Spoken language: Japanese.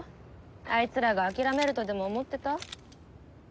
あいつらが諦めるとでも思ってた？